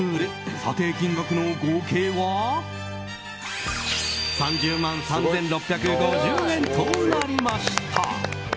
査定金額の合計は３０万３６５０円となりました。